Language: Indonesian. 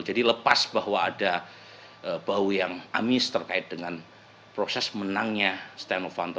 jadi lepas bahwa ada bau yang amis terkait dengan proses menangnya setia novanto dalam proses penyidikan